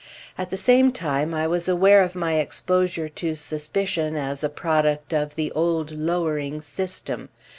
At the same time I was aware of my exposure to suspicion as a product of the old lowering system.